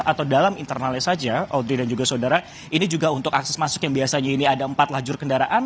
atau dalam internalnya saja audrey dan juga saudara ini juga untuk akses masuk yang biasanya ini ada empat lajur kendaraan